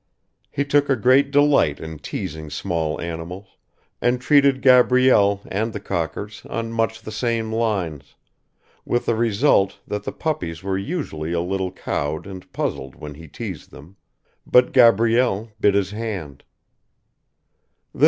He took a great delight in teasing small animals, and treated Gabrielle and the cockers on much the same lines, with the result that the puppies were usually a little cowed and puzzled when he teased them, but Gabrielle bit his hand.